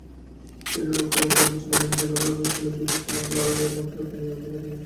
সিরিয়ায় রক্তপাত বন্ধে চলমান জেনেভা আলোচনাও দুই পক্ষের লড়াইয়ের মাত্রা কমিয়ে আনতে পারেনি।